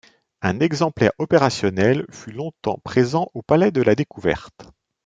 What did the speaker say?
Un exemplaire opérationnel fut longtemps présent au Palais de la découverte.